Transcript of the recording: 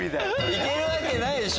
いけるわけないでしょ！